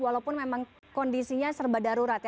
walaupun memang kondisinya serba darurat ya